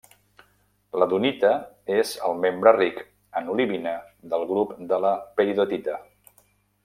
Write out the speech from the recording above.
La dunita és el membre ric en olivina del grup de la peridotita.